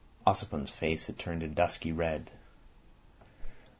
Ossipon's face had turned dusky red.